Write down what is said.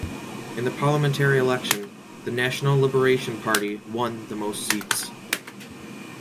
In the parliamentary election, the National Liberation Party won the mosts seats.